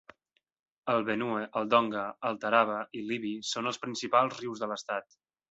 El Benue, el Donga, el Taraba i l'Ibi són els principals rius de l'estat.